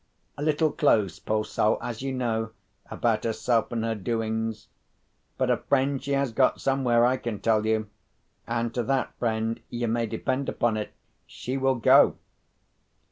A little close, poor soul (as you know), about herself and her doings. But a friend she has got somewhere, I can tell you; and to that friend you may depend upon it, she will go."